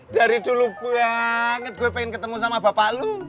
dari dulu gue pengen ketemu sama bapak lu